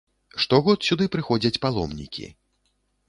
Штогод сюды прыходзяць паломнікі.